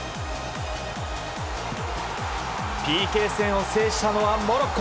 ＰＫ戦を制したのはモロッコ。